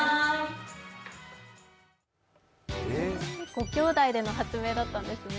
ごきょうだいでの発明だったんですね。